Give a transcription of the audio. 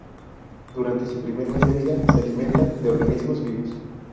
Durante su primer mes de vida se alimentan de organismos vivos.